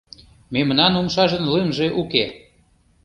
Мемнан умшажын лымже уке, -